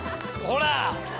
「ほら！」